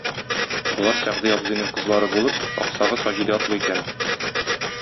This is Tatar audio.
Болар Сәгъди абзыйның кызлары булып, аксагы Саҗидә атлы икән.